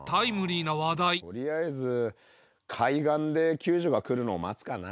うんとりあえず海岸で救助が来るのを待つかな。